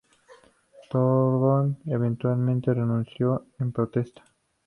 Turgot eventualmente renunció en protesta.